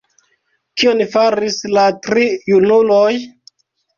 Kion faris la tri junuloj?